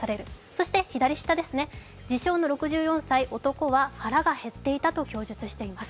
そして自称・６４歳男は腹が減っていたと供述しています。